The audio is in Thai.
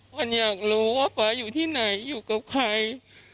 วันอยากรู้ว่าฟ้าอยู่ที่ไหนอยู่กับใคร